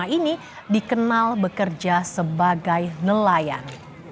rumah ini dikenal bekerja sebagai nelayan